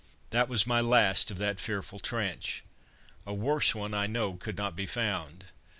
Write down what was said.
That was my last of that fearful trench. A worse one I know could not be found.